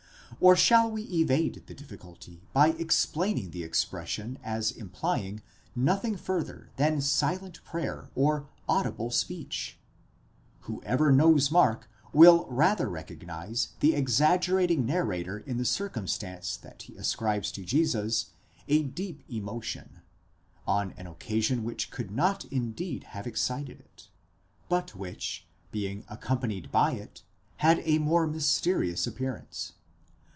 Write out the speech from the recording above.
Or shall we evade the difficulty by explaining the expression as implying nothing further than silent prayer or audible speech ??8 Whoever knows Mark will rather recognise the exaggerating nar rator in the circumstance that he ascribes to Jesus a deep emotion, on an occa sion which could not indeed have excited it, but which, being accompanied by it, had a more mysterious appearance.